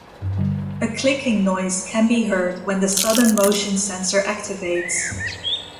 A clicking noise can be heard when the sudden motion sensor activates.